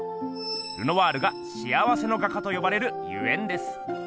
ルノワールが「幸せの画家」とよばれるゆえんです。